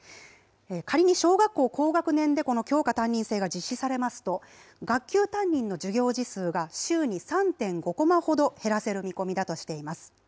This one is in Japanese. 仮に小学校高学年でこの教科担任制が実施されますと、学級担任の授業時数が、週に３．５コマほど減らせる見込みだとしています。